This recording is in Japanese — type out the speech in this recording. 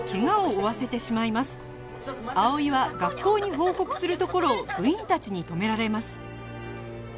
葵は学校に報告するところを部員たちに止められます